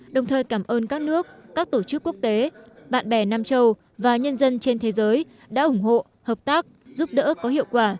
đồng thời cảm ơn các nước các tổ chức quốc tế bạn bè nam châu và nhân dân trên thế giới đã ủng hộ hợp tác giúp đỡ có hiệu quả